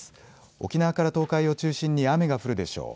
沖縄から東海を中心に雨が降るでしょう。